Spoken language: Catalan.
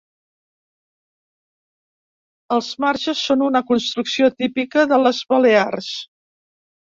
Els marges són una construcció típica de les Balears.